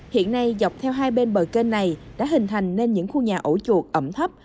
hiện nay dọc theo hai bên bờ kênh này đã hình thành nên những khu nhà ổ chuột ẩm thấp